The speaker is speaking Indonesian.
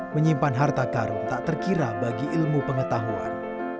menyimpan harta karun tak terkira bagi ilmu pengetahuan